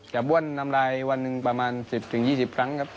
บ้วนน้ำลายวันหนึ่งประมาณ๑๐๒๐ครั้งครับ